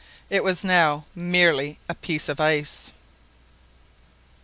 It was now merely a piece of ice.